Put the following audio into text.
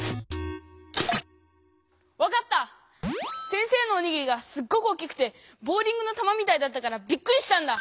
先生のおにぎりがすっごく大きくてボウリングの球みたいだったからびっくりしたんだ！